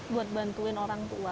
buat bantuin orang tua